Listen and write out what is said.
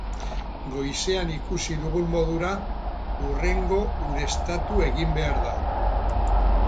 Goizean ikusi dugun modura, hurrengo ureztatu egin behar da.